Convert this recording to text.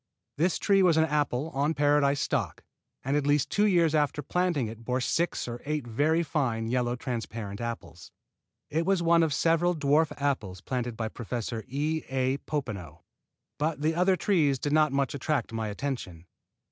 This tree was an apple, on Paradise stock, and at two years after planting it bore six or eight very fine Yellow Transparent apples. It was one of several dwarf apples planted by Professor E. A. Popenoe, but the other trees did not much attract my attention.